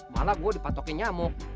malah gue dipatokin nyamuk